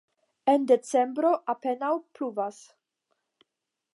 En decembro apenaŭ pluvas.